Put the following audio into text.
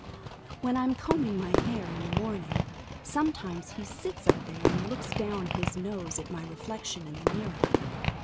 When I'm combing my hair in the morning, sometimes he sits up there and looks down his nose at my reflection in the mirror.